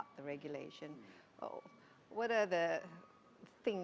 sedikit lebih menantang